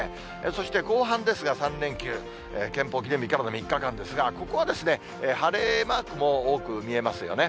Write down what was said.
そして後半ですが、３連休、憲法記念日からの３日間ですが、ここは晴れマークも多く見えますよね。